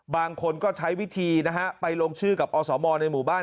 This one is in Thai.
บางคนก็ใช้วิธีนะฮะไปลงชื่อกับอสมในหมู่บ้าน